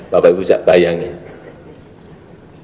bapak ibu bisa bayangin